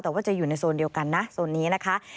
แต่ว่าจะอยู่ในโซนเดียวกันนะโซนนี้นะคะ